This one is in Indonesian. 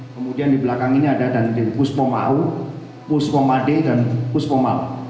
kemudian di belakang ini ada dan puspom au puspom ad dan puspom al